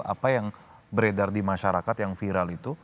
apa yang beredar di masyarakat yang viral itu